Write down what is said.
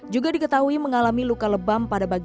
juga diketahui mengalami luka lebam pada bagian